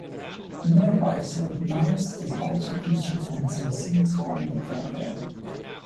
Nearby Saint Mawes is also featured in some scenes from the programme.